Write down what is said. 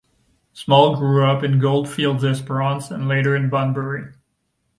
Small grew up in Goldfields–Esperance and later in Bunbury.